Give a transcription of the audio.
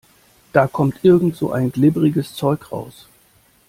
Da kommt irgend so ein glibberiges Zeug raus.